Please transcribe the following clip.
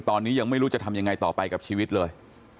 ตอนนี้ยังไม่รู้จะทำยังไงต่อไปกับชีวิตเลย